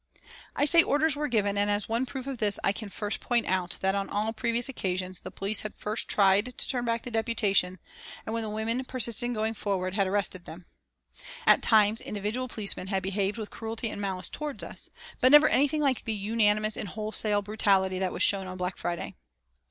I say orders were given and as one proof of this I can first point out that on all previous occasions the police had first tried to turn back the deputations and when the women persisted in going forward, had arrested them. At times individual policemen had behaved with cruelty and malice toward us, but never anything like the unanimous and wholesale brutality that was shown on Black Friday.